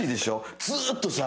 ずっとさ。